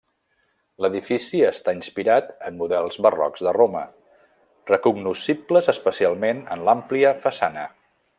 L'edifici està inspirat en models barrocs de Roma, recognoscibles especialment en l'àmplia façana.